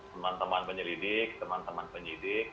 teman teman penyelidik teman teman penyidik